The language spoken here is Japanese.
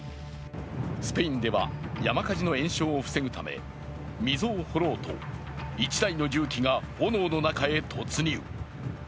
スペインでは山火事の延焼を防ぐため溝を掘ろうと１台の重機が炎の中へ突入。